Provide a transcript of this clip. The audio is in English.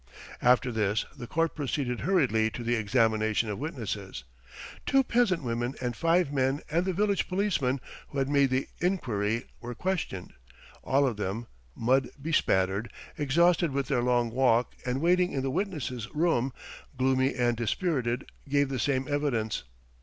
After this the court proceeded hurriedly to the examination of witnesses. Two peasant women and five men and the village policeman who had made the enquiry were questioned. All of them, mud bespattered, exhausted with their long walk and waiting in the witnesses' room, gloomy and dispirited, gave the same evidence.